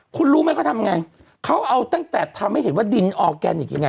คุณรู้ไหมเขาทำไงเขาเอาตั้งแต่ทำให้เห็นว่าดินออร์แกนิคยังไง